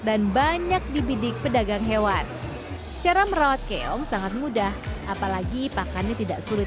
dan banyak dibidik pedagang hewan cara merawat keong sangat mudah apalagi pakannya tidak sulit